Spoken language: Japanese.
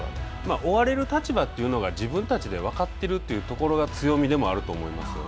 追われる立場というのが自分たちで分かっているというところが強みでもあると思いますよね。